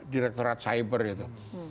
direktorat cyber itu